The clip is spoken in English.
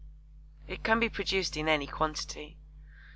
It can be produced in any quantity.